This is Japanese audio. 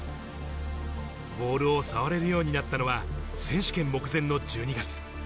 ボールを触れるようになったのは、選手権目前の１２月。